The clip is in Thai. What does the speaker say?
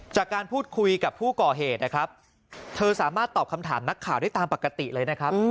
จากการพูดคุยกับผู้ก่อเหตุนะครับเธอสามารถตอบคำถามนักข่าวได้ตามปกติเลยนะครับ